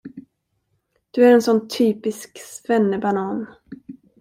Du är en sån typisk svennebanan.